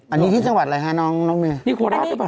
อันนี้ที่จังหวัดอะไรคะน้องเมีย